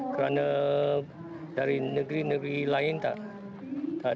karena dari negeri negeri lain tidak